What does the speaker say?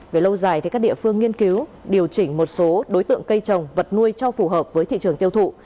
về lâu dài các địa phương nghiên cứu điều chỉnh một số đối tượng cây trồng vật nuôi cho phù hợp với thị trường tiêu thụ